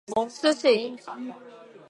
Sushi